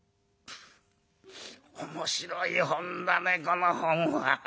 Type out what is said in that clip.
「面白い本だねこの本は。